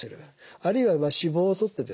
あるいは脂肪をとってですね